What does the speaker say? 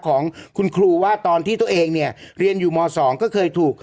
ของคุณครูว่าตอนที่ตัวเองเนี่ยเรียนอยู่ม๒ก็เคยถูก